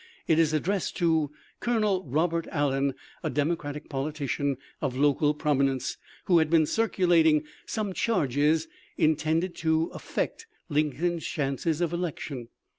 It is addressed to Colonel Robert Allen, a Democratic politician of local prominence, who had been circulating ' some charges intended to affect Lincoln's chances of election.